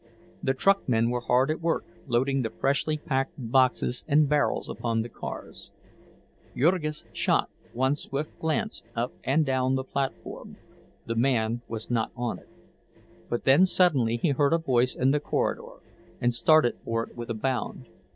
The truckmen were hard at work, loading the freshly packed boxes and barrels upon the cars. Jurgis shot one swift glance up and down the platform—the man was not on it. But then suddenly he heard a voice in the corridor, and started for it with a bound.